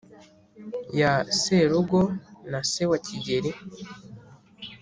ya serugo na se wa kigeli